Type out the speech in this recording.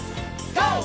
ＧＯ！